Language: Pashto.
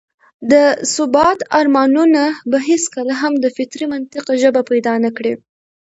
د ثبات ارمانونه به هېڅکله هم د فطري منطق ژبه پيدا نه کړي.